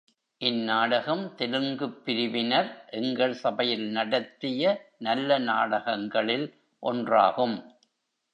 இந்நாடகம் தெலுங்குப் பிரிவினர் எங்கள் சபையில் நடத்திய நல்ல நாடகங்களில் ஒன்றாகும்.